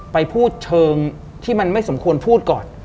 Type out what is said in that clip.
ไปพูดเชิงที่มันไม่สมควรพูดก่อน